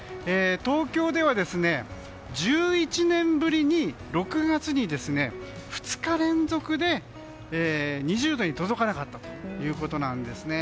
東京では１１年ぶりに６月に２日連続で２０度に届かなかったんですね。